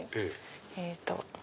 えっと。